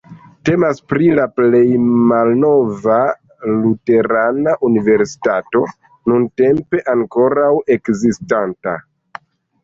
Temas pri la plej malnova luterana universitato nuntempe ankoraŭ ekzistanta.